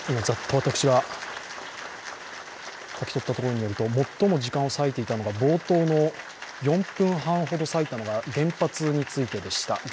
ざっと私が書き取ったところによると、最も時間を割いていたのが冒頭の４分半ほどさいたのが原発についてでした。